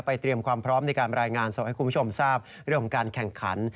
เตรียมความพร้อมในการรายงานสดให้คุณผู้ชมทราบเรื่องของการแข่งขัน